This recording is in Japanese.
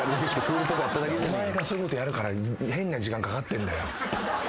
お前がそういうことやるから変な時間かかってんだよ。